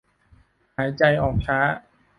หายใจออกช้า